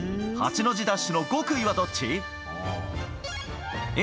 八の字ダッシュの極意はどっち？